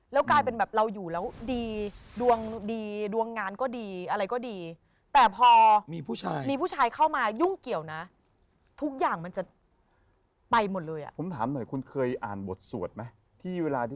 แล้วกลายเป็นเราอยู่แล้วดี